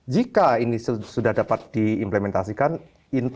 jika ini sudah dapat diimplementasikan